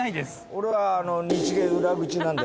俺は日芸裏口なので。